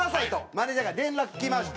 マネージャーから連絡来ました。